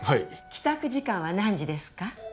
帰宅時間は何時ですか？